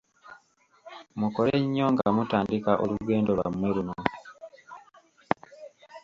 Mukole nnyo nga mutandika olugendo lwammwe luno.